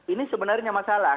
ini sebenarnya masalah